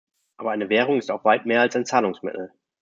Aber eine Währung ist auch weit mehr als ein Zahlungsmittel.